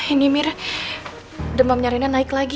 ini mir demamnya rena naik lagi